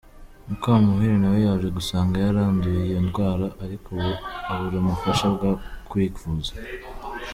Mukamuhire nawe yaje gusanga yaranduye iyo ndwara, ariko abura ubufasha bwo kwivuza.